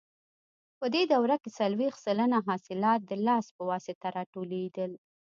په دې دوره کې څلوېښت سلنه حاصلات د لاس په واسطه راټولېدل.